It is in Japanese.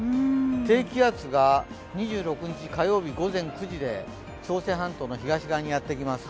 低気圧が２６日火曜日午前９時で朝鮮半島の東側にやってきます。